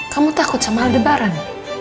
kamu takut sama aldebaran